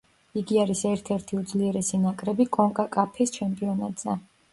იგი არის ერთ-ერთი უძლიერესი ნაკრები კონკაკაფის ჩემპიონატზე.